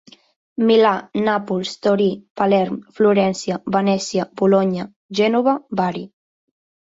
Milà, Nàpols, Torí, Palerm, Florència, Venècia, Bolonya, Gènova, Bari.